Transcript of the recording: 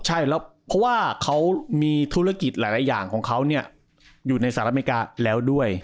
ใช่แล้วเพราะว่าเขามีธุรกิจหลายอย่างของเขาอยู่ในสหรัฐอเมริกาแล้วด้วย